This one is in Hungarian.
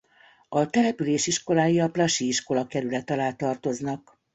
A település iskolái a Plush-i Iskolakerület alá tartoznak.